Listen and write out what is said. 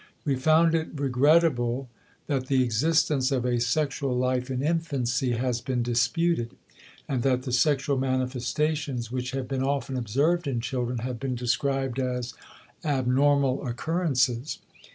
We found it regrettable that the existence of a sexual life in infancy has been disputed, and that the sexual manifestations which have been often observed in children have been described as abnormal occurrences.